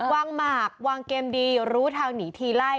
หมากวางเกมดีรู้ทางหนีทีไล่